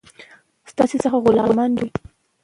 ستاسي څخه غلامان جوړوي.